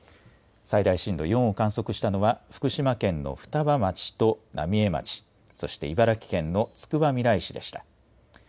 最大震度４を観測したのは福島県の双葉町と浪江町、そして茨城県のつくばみらい市でした。